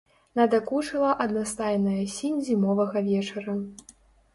Надакучыла аднастайная сінь зімовага вечара.